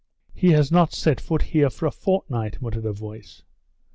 "He has not set foot here for a fortnight," muttered a voice.